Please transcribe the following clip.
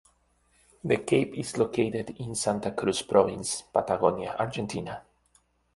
The Cape is located in Santa Cruz Province, Patagonia, Argentina.